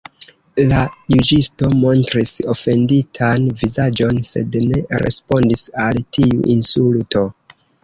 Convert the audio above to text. La juĝisto montris ofenditan vizaĝon, sed ne respondis al tiu insulto.